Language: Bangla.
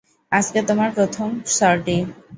আজকে তোমার প্রথম সর্টি।